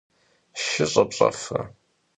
Şşı ş'epş'efre?